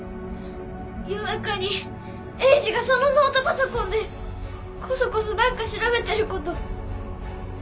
夜中にエイジがそのノートパソコンでこそこそ何か調べてること